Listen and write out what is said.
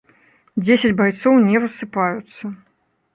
Дзесяць байцоў не высыпаюцца.